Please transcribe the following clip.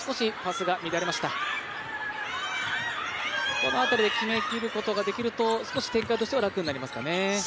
この辺りで決めきることができると展開としては楽になりますかね。